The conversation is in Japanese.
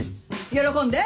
喜んで！